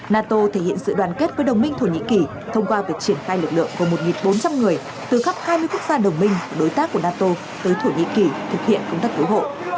nato thể hiện sự đoàn kết với đồng minh thổ nhĩ kỳ thông qua việc triển khai lực lượng gồm một bốn trăm linh người từ khắp hai mươi quốc gia đồng minh đối tác của nato tới thổ nhĩ kỳ thực hiện công tác cứu hộ